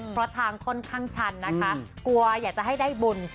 เพราะทางค่อนข้างชันนะคะกลัวอยากจะให้ได้บุญ